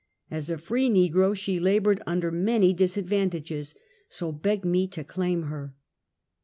As a free negro, she labored under many disadvantages, so begged me to claim her.